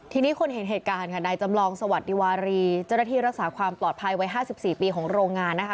ทีนี้คนเห็นเหตุการณ์ค่ะนายจำลองสวัสดีวารีเจ้าหน้าที่รักษาความปลอดภัยวัย๕๔ปีของโรงงานนะคะ